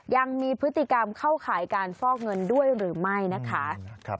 ยังมีพฤติกรรมเข้าข่ายการฟอกเงินด้วยหรือไม่นะคะ